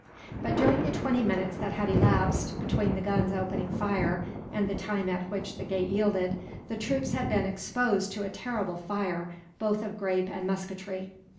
But during the twenty minutes that had elapsed, between the guns opening fire and the time at which the gate yielded, the troops had been exposed to a terrible fire, both of grape and musketry.